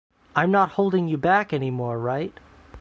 I am not holding you back anymore, right?